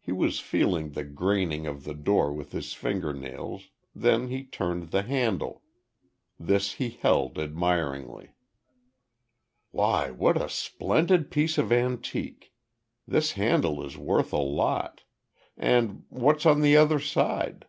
He was feeling the graining of the door with his finger nails, then he turned the handle. This he held admiringly. "Why, what a splendid piece of antique. This handle is worth a lot. And, what's on the other side?"